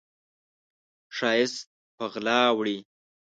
ښایست په غلا وړي